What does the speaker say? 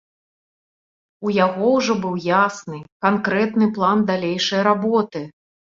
У яго ўжо быў ясны, канкрэтны план далейшай работы.